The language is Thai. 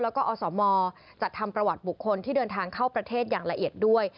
แล้วก็อสมจัดทำประวัติบุคคลที่เดินทางเข้าประเทศอย่างละเอียดด้วย